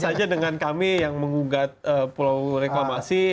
sama saja dengan kami yang mengugat pulau rekomasi